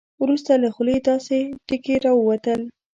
وروسته له خولې داسې ټکي راووتل.